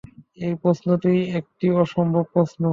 এই প্রশ্নটিই একটি অসম্ভব প্রশ্ন।